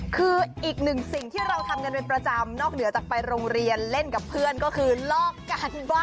คืออีกหนึ่งสิ่งที่เราทำกันเป็นประจำนอกเหนือจากไปโรงเรียนเล่นกับเพื่อนก็คือลอกกันว่า